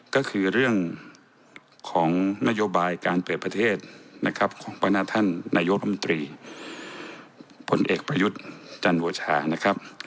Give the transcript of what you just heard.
ก็คือเรื่องของนโยบายการเปิดประเทศนะครับของบรรณท่านนายกรมตรีผลเอกประยุทธ์จันโอชานะครับ